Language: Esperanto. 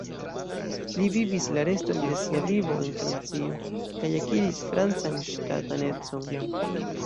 Li vivis la reston de sia vivo en Francio kaj akiris francan ŝtatanecon.